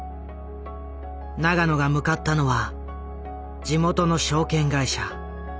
永野が向かったのは地元の証券会社。